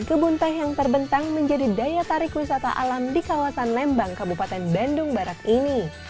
kebun teh yang terbentang menjadi daya tarik wisata alam di kawasan lembang kabupaten bandung barat ini